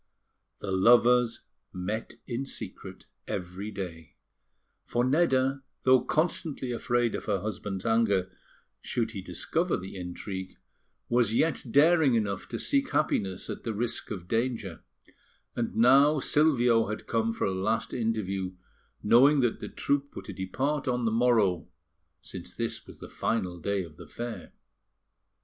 The lovers met in secret every day; for Nedda, though constantly afraid of her husband's anger should he discover the intrigue, was yet daring enough to seek happiness at the risk of danger; and now Silvio had come for a last interview, knowing that the troupe were to depart on the morrow, since this was the final day of the fair.